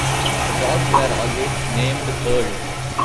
The dogs were always named Pearl.